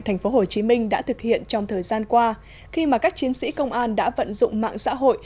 tp hcm đã thực hiện trong thời gian qua khi mà các chiến sĩ công an đã vận dụng mạng xã hội